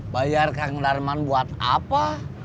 bayar kang darman buat apa